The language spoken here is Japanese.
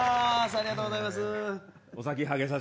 ありがとうございます。